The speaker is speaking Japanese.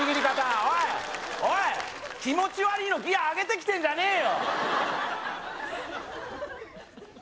おいおい気持ちわりいのギア上げてきてんじゃねえよ